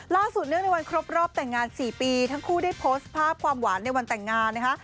เนื่องในวันครบรอบแต่งงาน๔ปีทั้งคู่ได้โพสต์ภาพความหวานในวันแต่งงานนะคะ